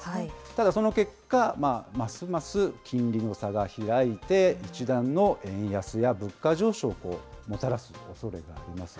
ただその結果、ますます金利の差が開いて、一段の円安や物価上昇をもたらすおそれがあります。